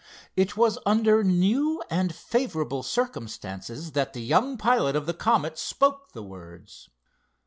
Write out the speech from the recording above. It was under new and favorable circumstances that the young pilot of the Comet spoke the words.